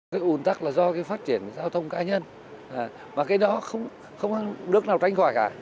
cái ủn tắc là do phát triển giao thông cá nhân mà cái đó không có nước nào tránh khỏi cả